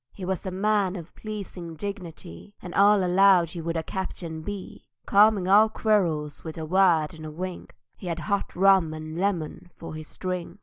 He was a man of pleasing dignity, And all allowed he would a captain be, Calming all quarrels with a word and wink; He had hot rum and lemon for his drink.